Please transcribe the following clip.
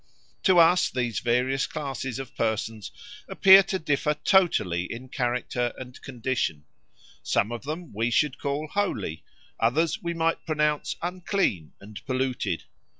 To us these various classes of persons appear to differ totally in character and condition; some of them we should call holy, others we might pronounce unclean and polluted.